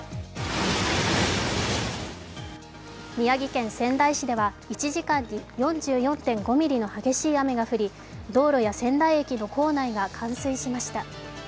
宮城県仙台市では１時間に４４．５ミリの激しい雨が降り、道路や仙台駅の構内が冠水しました。